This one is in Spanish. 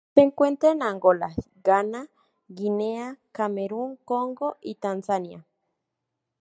Se encuentra en Angola, Ghana, Guinea, Camerún, Congo y Tanzania.